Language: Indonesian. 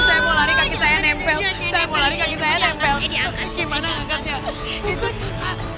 saya mau lari kaki saya nempel